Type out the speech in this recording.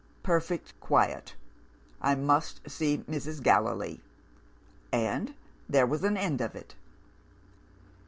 'Perfect quiet. I must see Mrs. Gallilee.' And there was an end of it.